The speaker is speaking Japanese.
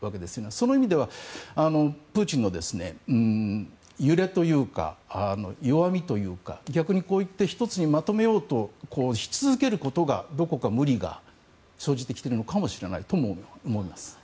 その意味では、プーチンの揺れというか、弱みというか逆に１つにまとめようとし続けることがどこか無理が生じてきてるのかもしれないとも思います。